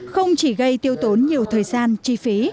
không chỉ gây tiêu tốn nhiều thời gian chi phí